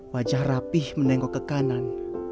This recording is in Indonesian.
wajah rapih menengok ke kanan